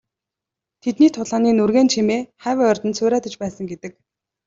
Тэдний тулааны нүргээн чимээ хавь ойрд нь цуурайтаж байсан гэдэг.